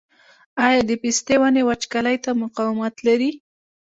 آیا د پستې ونې وچکالۍ ته مقاومت لري؟